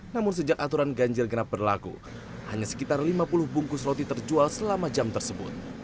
namun sejak aturan ganjil genap berlaku hanya sekitar lima puluh bungkus roti terjual selama jam tersebut